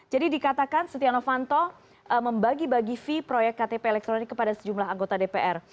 jadi dikatakan setia novanto membagi bagi fee proyek ktp elektronik kepada sejumlah anggota dpr